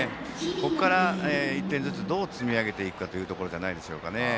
ここから１点ずつどう積み上げていくかというところじゃないでしょうかね。